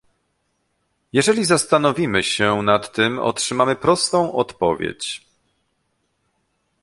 Jeżeli zastanowimy się nad tym, otrzymamy prostą odpowiedź